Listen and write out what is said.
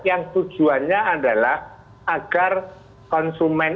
yang tujuannya adalah agar konsumen